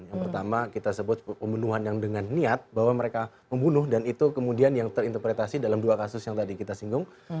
yang pertama kita sebut pembunuhan yang dengan niat bahwa mereka membunuh dan itu kemudian yang terinterpretasi dalam dua kasus yang tadi kita singgung